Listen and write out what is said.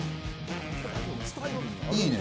いいね。